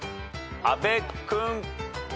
阿部君。